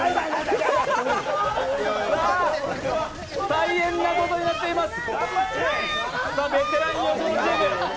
大変なことになっています。